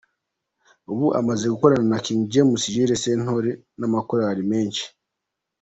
Ubu amaze gukorana na King James, Jules Sentore n’amakorali menshi.